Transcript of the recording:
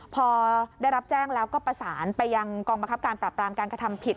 พอได้รับแจ้งแล้วก็ประสานไปยังกองบังคับการปรับรามการกระทำผิด